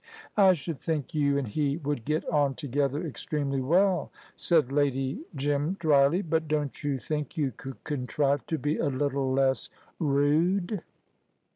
"I should think you and he would get on together extremely well," said Lady Jim, dryly. "But don't you think you could contrive to be a little less rude?"